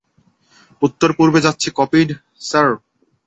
উত্তর পূর্বে যাচ্ছি কপিড, স্যার।